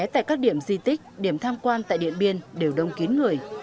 tất cả các điểm di tích điểm tham quan tại điện biên đều đông kín người